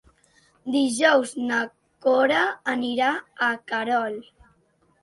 Dijous na Cora anirà a Querol.